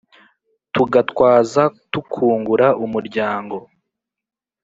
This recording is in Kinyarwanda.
Tugatwaza tukungura umuryango